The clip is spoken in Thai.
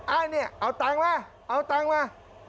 อ้านี่เอาเงินมาเอาเงินมา